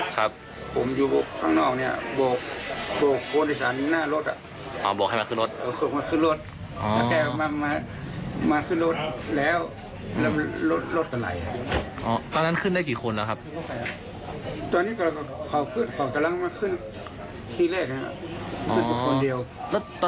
ตอนนี้ก็เขากระลั้งมาขึ้นขึ้นคนเดียว